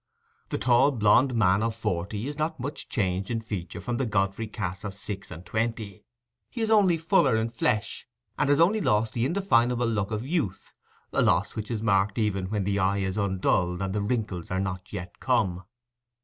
The tall blond man of forty is not much changed in feature from the Godfrey Cass of six and twenty: he is only fuller in flesh, and has only lost the indefinable look of youth—a loss which is marked even when the eye is undulled and the wrinkles are not yet come.